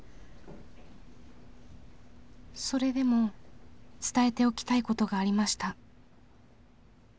それでも伝えておきたい事がありました。